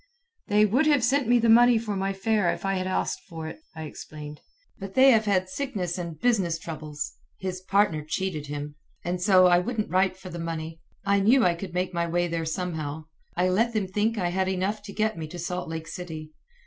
"They would have sent me the money for my fare if I had asked for it," I explained, "but they have had sickness and business troubles. His partner cheated him. And so I wouldn't write for the money. I knew I could make my way there somehow. I let them think I had enough to get me to Salt Lake City.